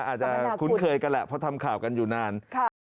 อาจจะคุ้นเคยกันแหละเพราะทำข่าวกันอยู่นาน